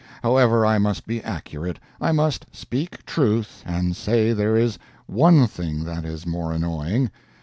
However, I must be accurate—I must speak truth, and say there is one thing that is more annoying.